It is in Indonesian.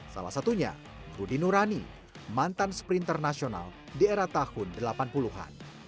salah satunya rudy nurani mantan sprinter nasional di era tahun delapan puluh an